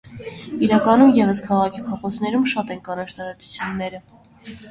Իրականում ևս քաղաքի փողոցներում շատ են կանաչ տարածությունները։